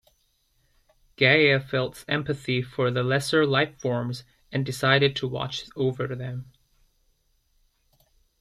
Gaea felt empathy for the lesser lifeforms and decided to watch over them.